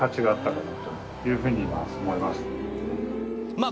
まあ